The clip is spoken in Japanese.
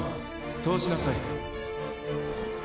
通しなさい。